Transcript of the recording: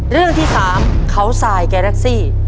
เรื่องที่๓เขาสายแกรักซี่